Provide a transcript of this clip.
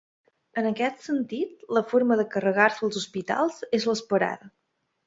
En aquest sentit la forma de carregar-se els hospitals és l'esperada.